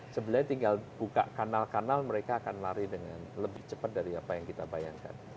sebenarnya tinggal buka kanal kanal mereka akan lari dengan lebih cepat dari apa yang kita bayangkan